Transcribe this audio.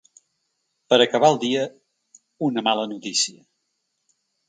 Per acabar el dia, “una mala notícia”.